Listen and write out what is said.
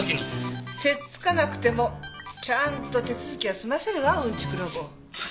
せっつかなくてもちゃんと手続きは済ませるわうんちくロボ。